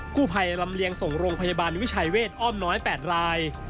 ผู้ภัยรำเลียงส่งโรงพยาบาลวิชัยเวทอ้อมน้อย๘ราย